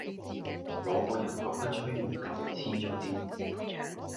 我個人覺得吹毛求疵左啲